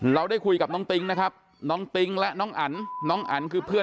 เราได้คุยกับน้องติ๊งนะครับน้องติ๊งและน้องอันน้องอันคือเพื่อน